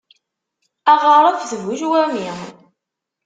Aɣaref d bu ccwami.